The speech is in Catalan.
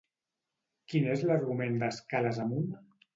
Quin és l'argument d'Escales amunt?